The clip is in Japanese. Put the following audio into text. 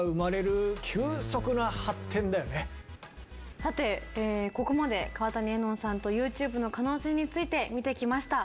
さてここまで川谷絵音さんとＹｏｕＴｕｂｅの可能性について見てきました。